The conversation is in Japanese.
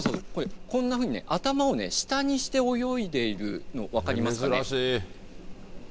こんなふうに頭を下にして泳いでいるの、分かりますか。